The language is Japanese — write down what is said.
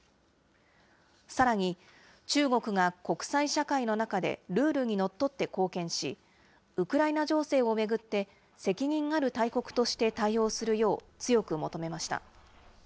さらに、中国が国際社会の中でルールにのっとって貢献し、ウクライナ情勢を巡って、責任ある大国として対応するよう強く求めました。